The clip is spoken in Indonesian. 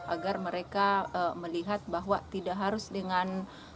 agar mereka melihat bahwa tidak harus dengan